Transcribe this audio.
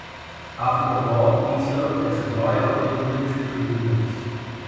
After the war he served as a lawyer in military tribunals.